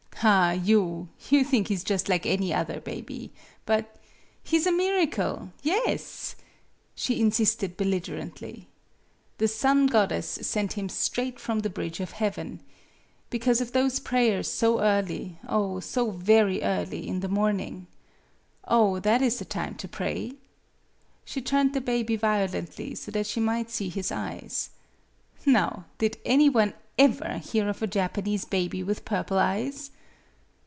" Ah, you you think he is just like any other baby. But he is a miracle! Yes!" i 4 MADAME BUTTERFLY she insisted belligerently. " The Sun God dess sent him straight from the Bridge of Heaven! Because of those prayers so early oh, so very early in the morning. Oh, that is the time to pray! " She turned the baby violently so that she might see his eyes. " Now did any one ever hear of a Japanese baby with purple eyes